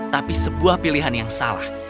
tapi sebuah pilihan yang salah